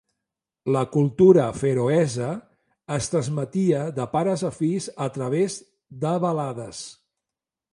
La cultura feroesa es transmetia de pares a fills a través de balades.